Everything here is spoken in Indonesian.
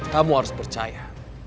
kamu harus percaya